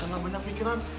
karena banyak pikiran